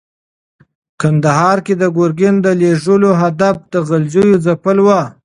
کندهار ته د ګورګین د لېږلو هدف د غلجیو ځپل ول.